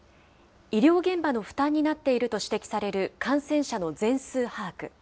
医療現場の負担になっていると指摘される感染者の全数把握。